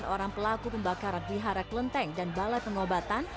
delapan orang pelaku pembakaran pihara klenteng dan balai pengobatan